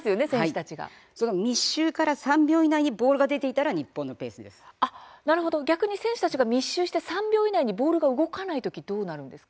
密集から３秒以内にボールが選手たちが密集して３秒以内にボールが動かない時はどうなりますか。